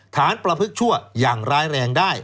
ฐานประพฤตชั่วยังร้ายแรงได้